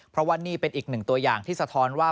เพราะว่านี่เป็นอีกหนึ่งตัวอย่างที่สะท้อนว่า